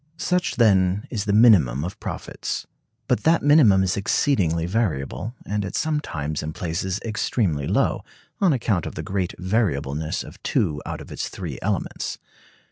Such, then, is the minimum of profits: but that minimum is exceedingly variable, and at some times and places extremely low, on account of the great variableness of two out of its three elements.